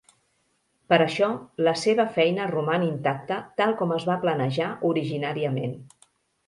Per això, la seva feina roman intacta tal com es va planejar originàriament.